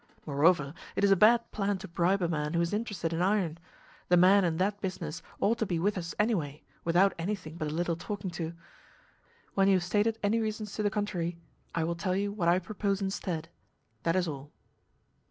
Moreover, it is a bad plan to bribe a man who is interested in iron. The man in that business ought to be with us any way, without anything but a little talking to. When you have stated any reasons to the contrary I will tell you what I propose instead. That is all."